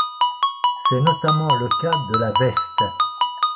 C'est notamment le cas de la veste.